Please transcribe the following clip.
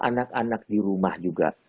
anak anak di rumah juga